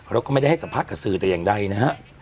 แล้วก็ไม่ได้ให้สัมภาษณ์กับสื่อแต่อย่างใดนะฮะ